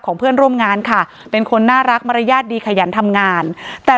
เพื่อนร่วมงานค่ะเป็นคนน่ารักมารยาทดีขยันทำงานแต่